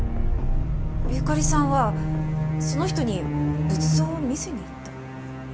ゆかりさんはその人に仏像を見せに行った？